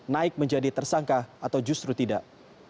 naik menjadi tersangka atau justru tidak